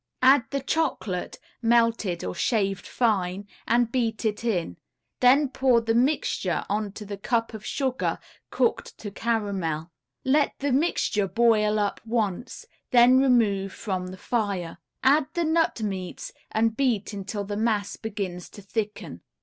Add the chocolate, melted or shaved fine, and beat it in, then pour the mixture onto the cup of sugar cooked to caramel; let the mixture boil up once, then remove from the fire; add the nut meats and beat until the mass begins to thicken.